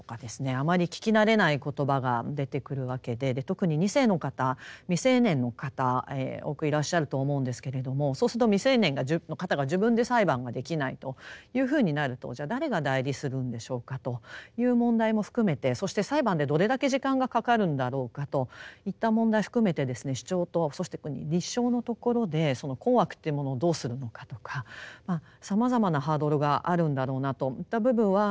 あまり聞き慣れない言葉が出てくるわけで特に２世の方未成年の方多くいらっしゃると思うんですけれどもそうすると未成年の方が自分で裁判ができないというふうになるとじゃあ誰が代理するんでしょうかという問題も含めてそして裁判でどれだけ時間がかかるんだろうかといった問題含めて主張とそして立証のところでその困惑というものをどうするのかとかさまざまなハードルがあるんだろうなといった部分は懸念しております。